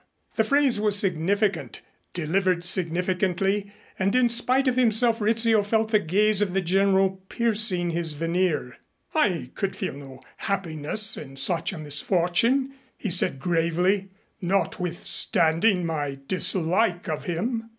The phrase was significant, delivered significantly, and in spite of himself Rizzio felt the gaze of the General piercing his veneer. "I could feel no happiness in such a misfortune," he said gravely, "notwithstanding my dislike of him."